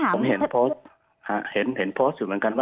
ผมเห็นโพสต์เห็นโพสต์อยู่เหมือนกันว่า